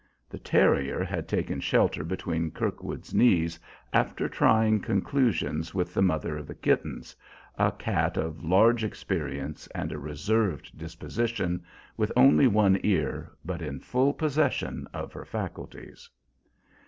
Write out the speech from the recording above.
The terrier had taken shelter between Kirkwood's knees, after trying conclusions with the mother of the kittens, a cat of large experience and a reserved disposition, with only one ear, but in full possession of her faculties.